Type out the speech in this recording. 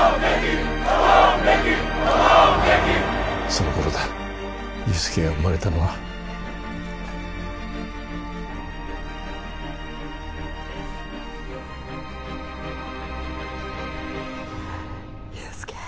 その頃だ憂助が生まれたのは憂助